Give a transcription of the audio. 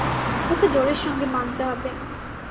ওকে জোরের সঙ্গে মানতে হবে।